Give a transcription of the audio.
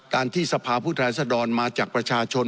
การที่สภาพุทธรรษดรมาจากประชาชน